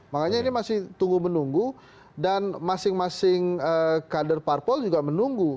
makanya ini masih tunggu menunggu dan masing masing kader parpol juga menunggu